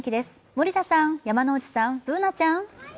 森田さん、山内さん、Ｂｏｏｎａちゃん。